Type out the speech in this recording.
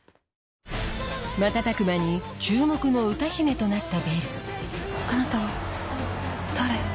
瞬く間に注目の歌姫となったベルあなたは誰？